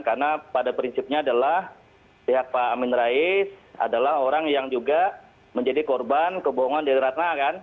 karena pada prinsipnya adalah pihak pak amin rais adalah orang yang juga menjadi korban kebohongan di ratna kan